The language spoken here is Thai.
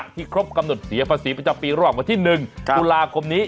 ครบกำหนดเสียภาษีประจำปีระหว่างวันที่๑ตุลาคมนี้